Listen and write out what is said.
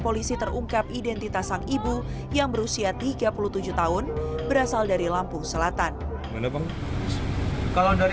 polisi terungkap identitas sang ibu yang berusia tiga puluh tujuh tahun berasal dari lampung selatan kalau dari